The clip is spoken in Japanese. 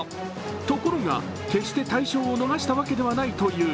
ところが、決して大賞を逃したわけではないという。